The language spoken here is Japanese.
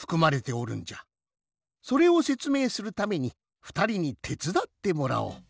それをせつめいするためにふたりにてつだってもらおう。